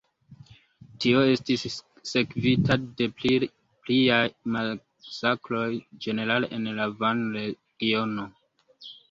Tio estis sekvita de pliaj masakroj ĝenerale en la Van-regiono.